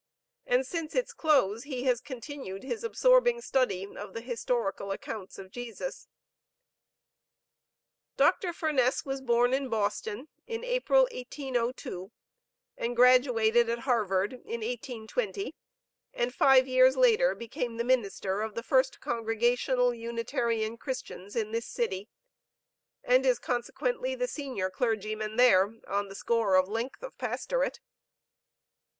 And since its close he has continued his absorbing study of the historical accounts of Jesus. Dr. Furncss was born in Boston, in April, 1802, and was graduated at Harvard, in 1820, and five years later became the minister of the First Congregational Unitarian Christians, in this city, and is consequently the senior clergyman, here, on the score of length of pastorate.